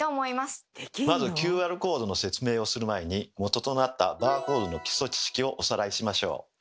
まずＱＲコードの説明をする前にもととなったバーコードの基礎知識をおさらいしましょう。